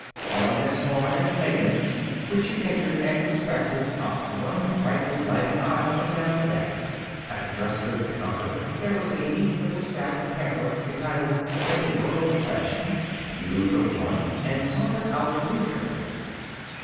On as far as Megan's, which you entered and inspected, up one brightly lighted aisle and down the next. At the dress goods counter there was a neat little stack of pamphlets entitled "In the World of Fashion." You took one and sauntered out leisurely.